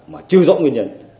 mà chưa rõ nguyên nhân